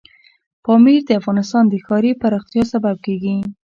پامیر د افغانستان د ښاري پراختیا سبب کېږي.